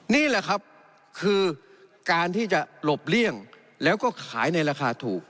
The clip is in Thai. นี่แหละครับคือการที่จะหลบเลี่ยงแล้วก็ขายในราคาถูก